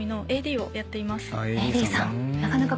ＡＤさんか。